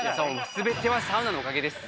すべてはサウナのおかげです。